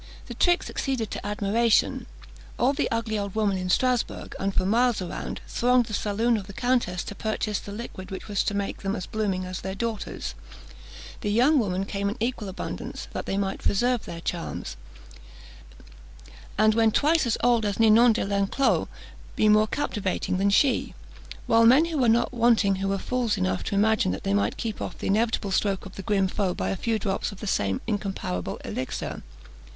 The trick succeeded to admiration. All the ugly old women in Strasbourg, and for miles around, thronged the saloon of the countess to purchase the liquid which was to make them as blooming as their daughters; the young women came in equal abundance, that they might preserve their charms, and when twice as old as Ninon de l'Enclos, be more captivating than she; while men were not wanting who were fools enough to imagine that they might keep off the inevitable stroke of the grim foe by a few drops of the same incomparable elixir.